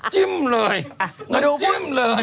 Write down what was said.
จิ้มเลยจิ้มเลย